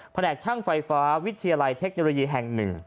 แหนกช่างไฟฟ้าวิทยาลัยเทคโนโลยีแห่ง๑